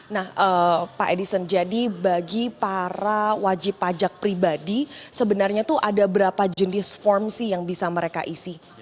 nah pak edison jadi bagi para wajib pajak pribadi sebenarnya itu ada berapa jenis form sih yang bisa mereka isi